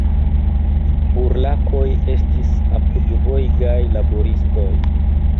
"Burlakoj" estis apudvolgaj laboristoj.